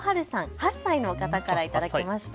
８歳の方からいただきました。